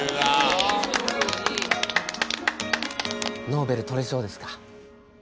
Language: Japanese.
ノーベル取れそうですか。